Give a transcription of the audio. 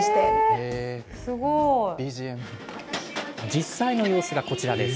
実際の様子が、こちらです。